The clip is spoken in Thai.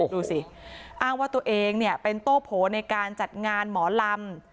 ดูสิอ้างว่าตัวเองเนี่ยเป็นโต้โผในการจัดงานหมอลำ